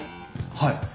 はい。